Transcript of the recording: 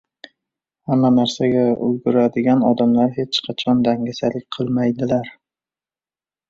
Hamma narsaga ulguradigan odamlar hech qachon dangasalik qilmaydilar.